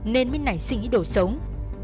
nên mới nảy sinh ý đồ sống